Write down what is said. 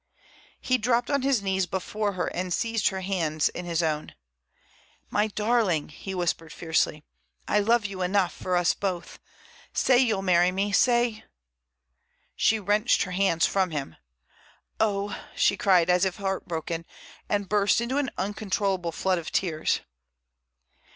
He dropped on his knees before her and seized her hands in his own. "My darling," he whispered fiercely. "I love you enough for us both. Say you'll marry me. Say—" She wrenched her hands from him. "Oh!" she cried as if heartbroken, and burst into an uncontrollable flood of tears.